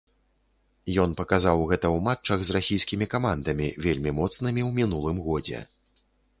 Ён паказаў гэта ў матчах з расійскімі камандамі, вельмі моцнымі ў мінулым годзе.